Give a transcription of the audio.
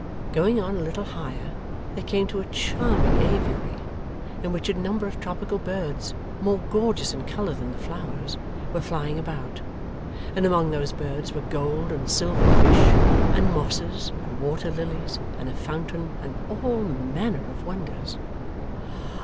Going on a little higher, they came to a charming aviary, in which a number of tropical birds, more gorgeous in colour than the flowers, were flying about; and among those birds were gold and silver fish, and mosses, and water lilies, and a fountain, and all manner of wonders.